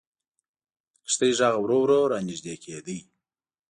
د کښتۍ ږغ ورو ورو را نژدې کېده.